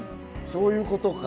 そういうことか。